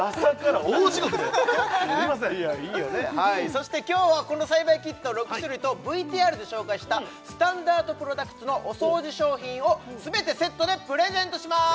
そして今日はこの栽培キット６種類とＶＴＲで紹介したＳｔａｎｄａｒｄＰｒｏｄｕｃｔｓのお掃除商品をすべてセットでプレゼントします